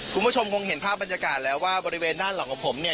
คุณผู้ชมคงเห็นภาพบรรยากาศแล้วว่าบริเวณด้านหลังของผมเนี่ย